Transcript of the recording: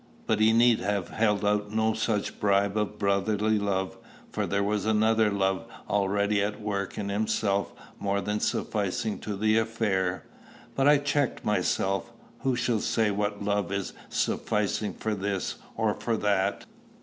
But he need have held out no such bribe of brotherly love, for there was another love already at work in himself more than sufficing to the affair. But I check myself: who shall say what love is sufficing for this or for that?